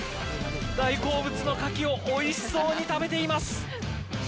大好物の柿をおいしそうに食べています。